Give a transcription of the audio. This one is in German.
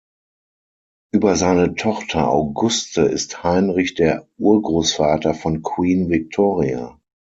Über seine Tochter Auguste ist Heinrich der Urgroßvater von Queen Victoria.